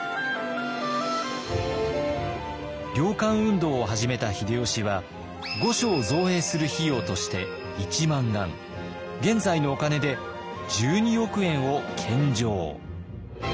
猟官運動を始めた秀吉は御所を造営する費用として１万貫現在のお金で１２億円を献上。